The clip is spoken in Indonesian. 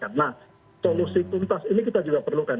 karena solusi tuntas ini kita juga perlukan